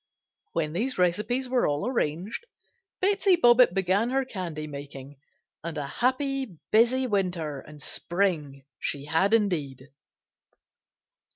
When these recipes were all arranged, Betsey Bobbitt began her candy making, and a happy, busy winter and spring she had indeed.